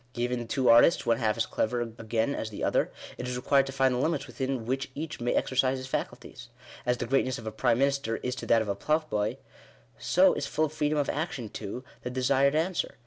Given two artists, one half as clever again as the other, it is required to find the limits within which each may exercise his faculties. As the greatness of a prime minister is to that of a ploughboy, so is full freedom of action to — the desired answer.